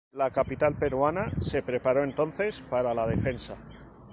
La capital peruana se preparó entonces para la defensa.